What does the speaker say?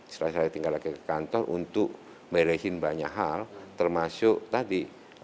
setelah saya tinggal lagi ke kantor untuk meresin banyak hal termasuk tadi